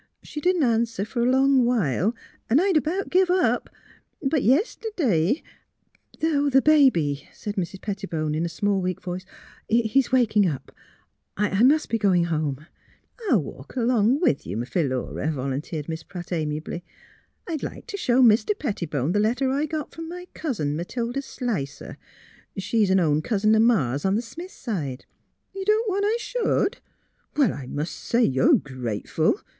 She didn't answer for a long while, an' I'd about give up; but, yeste'd'y "'' The baby," said Mrs. Pettibone, in a small, weak voice, " is waking up. I — I must be going home. ''" I'll walk right along with you, Philura," vol unteered Miss Pratt, amiably. "I'd like t' show Mr. Pettibone the letter I got from my cousin, Matilda Slicer — she's an own cousin o' Ma's on the Smith side. ... You don't want I should? Well, I mus' say you're grateful!